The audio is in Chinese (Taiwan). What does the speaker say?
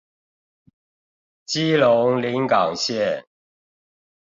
基隆臨港線